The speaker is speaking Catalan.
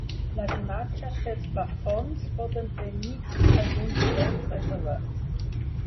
Les imatges dels plafons poden tenir alguns drets reservats.